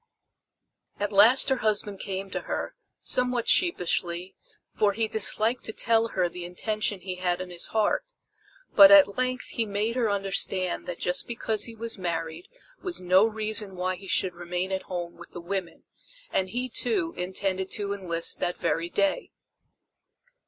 At last her husband came to her, somewhat sheepishly, for he disliked to tell her the intention he had in his heart; but at length he made her understand that just because he was married was no reason why he should remain at home with the women; and he, too, intended to enlist that very day.